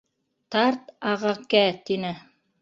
— Тарт, ағакә, — тине.